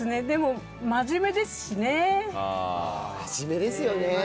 でも真面目ですよね。